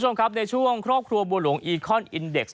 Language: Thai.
ในช่วงครอบครัวบัวลวงอีคอนอินเดคซ์